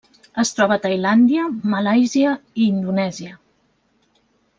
Es troba a Tailàndia, Malàisia i Indonèsia.